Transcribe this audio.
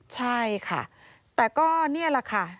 ใช่ค่ะแต่ก็นี่แหละค่ะ